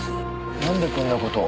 なんでこんな事を？